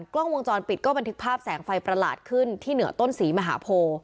กล้องวงจรปิดก็บันทึกภาพแสงไฟประหลาดขึ้นที่เหนือต้นศรีมหาโพ